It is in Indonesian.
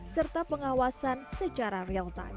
serta pengawasan secara real time